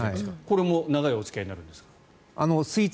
これも長いお付き合いになるんですか？